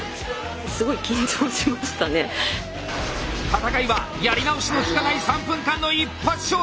戦いはやり直しのきかない３分間の一発勝負！